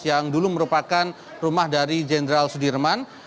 yang dulu merupakan rumah dari jenderal sudirman